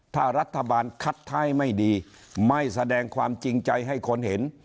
ถ้ารัฐบาลคัดท้ายไม่ดีไม่แสดงความจริงใจให้คนเห็น